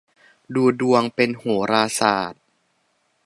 ดูดวงเป็นโหราศาสตร์